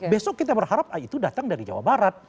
besok kita berharap itu datang dari jawa barat